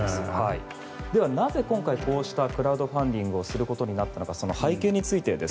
ではなぜ今回こうしたクラウドファンディングをすることになったのかその背景について。